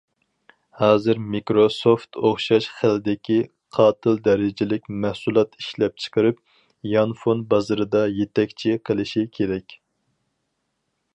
ھازىر، مىكروسوفت ئوخشاش خىلدىكى قاتىل دەرىجىلىك مەھسۇلات ئىشلەپچىقىرىپ، يانفون بازىرىدا يېتەكچى قىلىشى كېرەك.